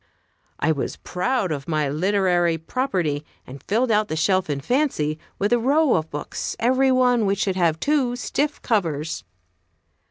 I was proud of my literary property, and filled out the shelf in fancy with a row of books, every one of which should have two stiff covers.